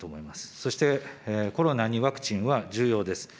そしてコロナにワクチンは重要です。